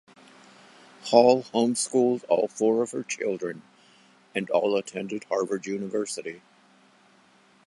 Hall home-schooled all four of her children and all attended Harvard University.